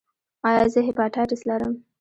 ایا زه هیپاټایټس لرم؟